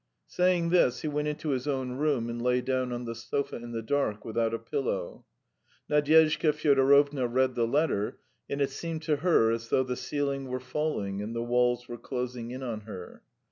Saying this, he went into his own room and lay down on the sofa in the dark without a pillow. Nadyezhda Fyodorovna read the letter, and it seemed to her as though the ceiling were falling and the walls were closing in on her.